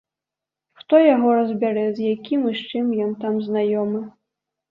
Хто яго разбярэ, з якім і з чым ён там знаёмы.